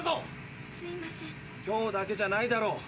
今日だけじゃないだろ。